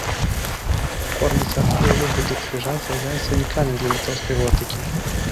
Форма царквы ў выглядзе крыжа з'яўляецца ўнікальнай для літоўскай готыкі.